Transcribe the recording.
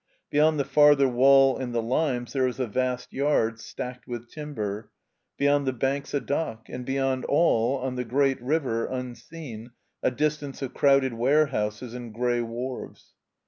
Beyond the farther wall and the limes there is a vast yard, stacked with timber; beyond the banks a dock; and beyond all, on the great River, imseen, a distance of crowded warehouses and gray wharves.